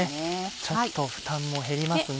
ちょっと負担も減りますね。